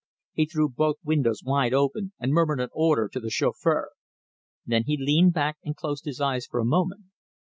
He threw both windows wide open and murmured an order to the chauffeur. Then he leaned back and closed his eyes for a moment.